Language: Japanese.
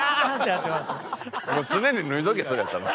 もう常に脱いどけそれやったら。